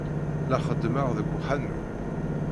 La xeddmeɣ deg uḥanu.